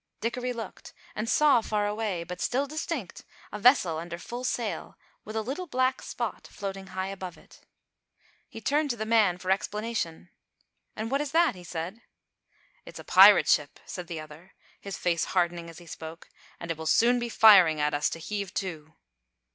Dickory looked, and saw far away, but still distinct, a vessel under full sail with a little black spot floating high above it. He turned to the man for explanation. "And what is that?" he said. "It is a pirate ship," said the other, his face hardening as he spoke, "and it will soon be firing at us to heave to."